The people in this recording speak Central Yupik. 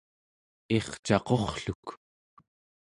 Ircaqurrluk